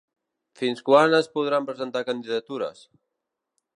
Fins quan es podran presentar candidatures?